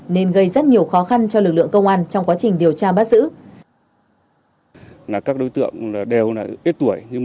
nên gây rất nhiều khó khăn cho lực lượng công an